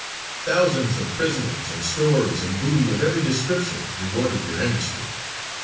Thousands of prisoners, and stores and booty of every description rewarded their industry.